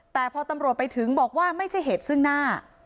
แต่พอตำรวจไปถึงบอกว่าไม่ใช่เหตุซึ่งหน้า